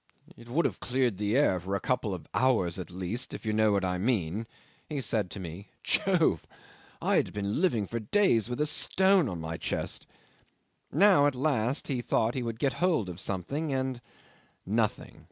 "It would have cleared the air for a couple of hours at least, if you know what I mean," he said to me. "Jove! I had been living for days with a stone on my chest." Now at last he had thought he would get hold of something, and nothing!